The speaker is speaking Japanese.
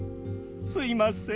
すいません。